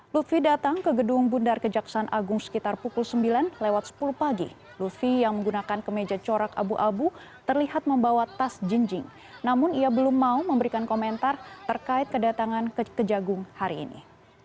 lutfi datang ke gedung bundar kejaksaan agung sekitar pukul sembilan lewat sepuluh pagi lutfi yang menggunakan kemeja corak abu abu terlihat membawa tas jinjing namun ia belum mau memberikan komentar terkait kedatangan kejagung hari ini